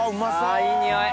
あいい匂い。